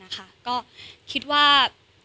ก็คิดว่า